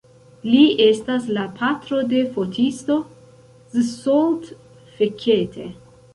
Li estas la patro de fotisto Zsolt Fekete.